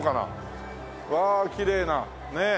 うわきれいなねえ。